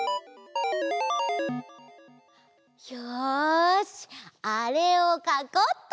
よしあれをかこうっと！